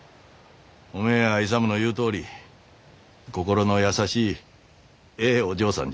おめえや勇の言うとおり心の優しいええお嬢さんじゃ。